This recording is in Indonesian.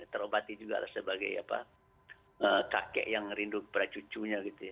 terobati juga lah sebagai apa kakek yang merindu kepada cucunya gitu ya